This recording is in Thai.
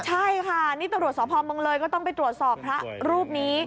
ใช่ค่ะนี่ตำรวจสพเมืองเลยก็ต้องไปตรวจสอบพระรูปนี้